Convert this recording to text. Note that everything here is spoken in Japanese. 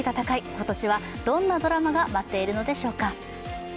今年はどんなドラマが待っているのでしょうか。